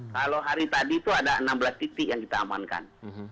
kalau hari tadi itu ada enam belas titik yang kita amankan